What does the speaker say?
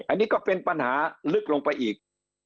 อันนี้ก็เป็นปัญหาลึกลงไปอีก